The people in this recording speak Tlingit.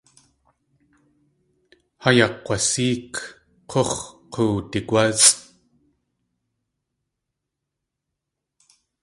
Haa yakg̲waséek, k̲útx̲ k̲oowdigwásʼ.